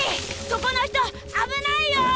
そこの人あぶないよー！